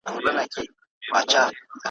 ادبي محفلونو کي یې شعرونه لوستل ,